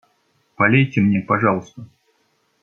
Полейте мне, пожалуйста.